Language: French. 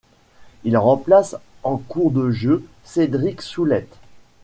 Il remplace en cours de jeu Cédric Soulette.